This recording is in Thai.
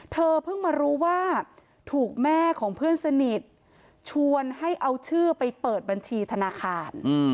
เธอเพิ่งมารู้ว่าถูกแม่ของเพื่อนสนิทชวนให้เอาชื่อไปเปิดบัญชีธนาคาร